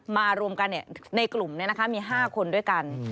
มารวมกันเนี่ยในกลุ่มมี๕คนด้วยกัน